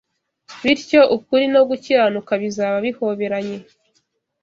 Bityo, ukuri no gukiranuka bizaba bihoberanye. …